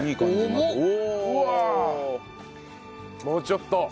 もうちょっと。